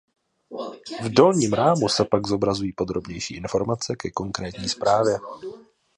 V dolním rámu se pak zobrazují podrobnější informace ke konkrétní zprávě.